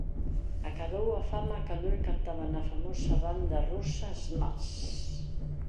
Acadou a fama cando el cantaba na famosa banda rusa Smash!!.